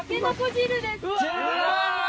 うわ！